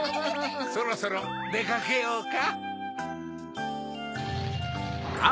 そろそろでかけようか。